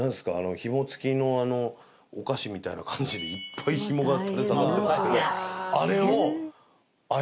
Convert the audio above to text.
紐付きのお菓子みたいな感じでいっぱい紐が垂れ下がってますけどあれを操るわけですか？